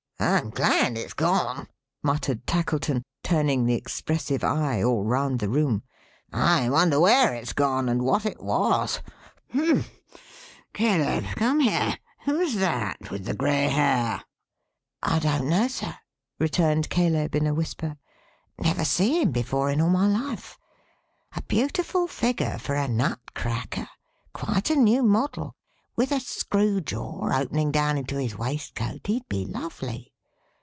"I'm glad it's gone," muttered Tackleton, turning the expressive eye all round the room. "I wonder where it's gone, and what it was. Humph! Caleb, come here! Who's that with the grey hair?" "I don't know Sir," returned Caleb in a whisper. "Never see him before, in all my life. A beautiful figure for a nut cracker; quite a new model. With a screw jaw opening down into his waistcoat, he'd be lovely."